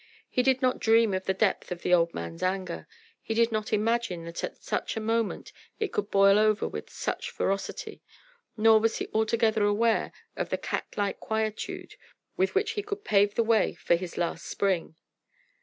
He did not dream of the depth of the old man's anger. He did not imagine that at such a moment it could boil over with such ferocity; nor was he altogether aware of the cat like quietude with which he could pave the way for his last spring.